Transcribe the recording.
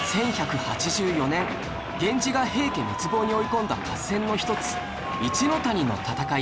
１１８４年源氏が平家滅亡に追い込んだ合戦の一つ一ノ谷の戦い